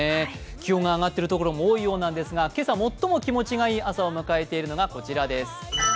気温が上がっている所も多いようなんですが今朝最も気持ちの言い朝を迎えているのがこちらです。